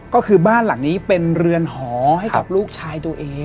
ก็คือบ้านหลังนี้เป็นเรือนหอให้กับลูกชายตัวเอง